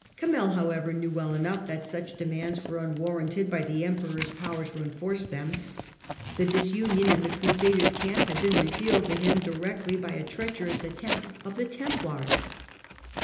Kamel, however, knew well enough that such demands were unwarranted by the Emperor's power to enforce them. The disunion in the Crusaders' camp had been revealed to him directly by a treacherous attempt of the Templars.